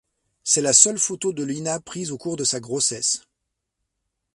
C'est la seule photo de Lina prise au cours de sa grossesse.